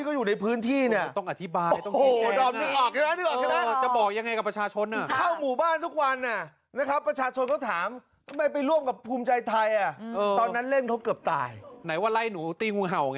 หนูตีงูเห่าอย่างนี้